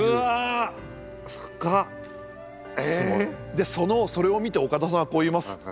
でそのそれを見て岡田さんはこう言います。